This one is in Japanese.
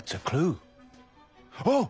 あっ！